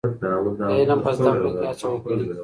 د علم په زده کړه کي هڅه وکړئ.